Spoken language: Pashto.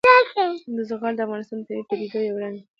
زغال د افغانستان د طبیعي پدیدو یو رنګ دی.